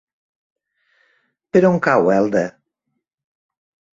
Per on cau Elda?